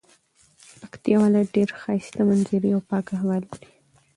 پکتيا ولايت ډيري ښايسته منظري او پاکه هوا لري